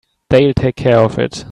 They'll take care of it.